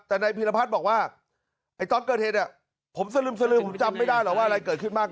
แต่นายพีรพัฒน์บอกว่าไอ้ตอนเกิดเหตุผมสลึมสลือผมจำไม่ได้หรอกว่าอะไรเกิดขึ้นมาก